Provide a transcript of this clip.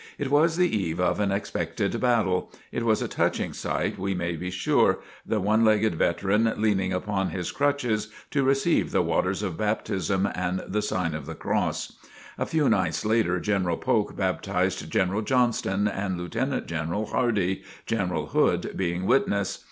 It was the eve of an expected battle. It was a touching sight, we may be sure, the one legged veteran, leaning upon his crutches to receive the waters of baptism and the sign of the cross. A few nights later, General Polk baptized General Johnston and Lieutenant General Hardee, General Hood being witness.